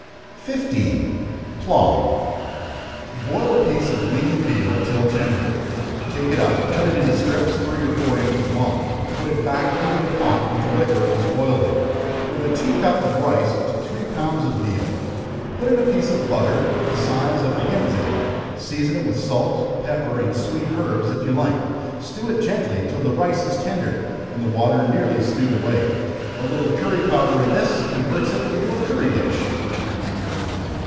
15. Plaw. Boil a piece of lean veal till tender. Take it up, cut it into strips three or four inches long, put it back into the pot, with the liquor it was boiled in, with a tea cup of rice to three pounds of veal. Put in a piece of butter, of the size of a hen's egg; season it with salt, pepper, and sweet herbs if you like; stew it gently till the rice is tender, and the water nearly stewed away. A little curry powder in this, converts it into a curry dish.